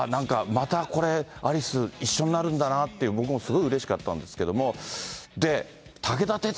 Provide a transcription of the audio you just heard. そのときになんか、あっ、なんかまたこれ、アリス一緒になるんだなっていう、僕もすごいうれしかったんですけども。